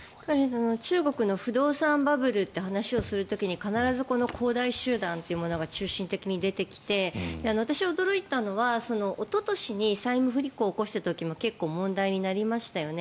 中国の不動産バブルって話をする時に必ずこの恒大集団というものが中心的に出てきて私が驚いたのは、おととしに債務不履行を起こした時にも結構、問題になりましたよね。